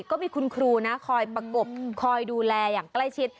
ก็มีคุณครูนะคอยประกบคอยดูแลอย่างใกล้ชิด